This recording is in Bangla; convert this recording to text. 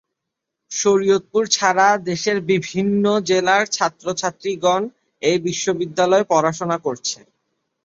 শরীয়তপুর ছাড়া দেশের বিভিন্ন জেলার ছাত্র-ছাত্রী গণ এই বিশ্ববিদ্যালয়ে পড়াশোনা করছে।